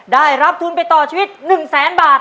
ได้รับทุนไปต่อชีวิต๑แสนบาท